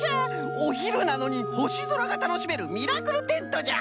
おひるなのにほしぞらがたのしめるミラクルテントじゃ！